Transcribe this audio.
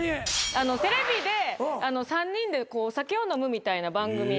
テレビで３人でお酒を飲むみたいな番組。